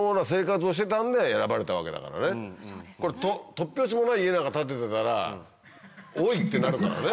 突拍子もない家なんか建ててたら「おい」ってなるからね。